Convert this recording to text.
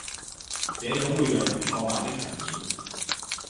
這種會讓人挫敗的場面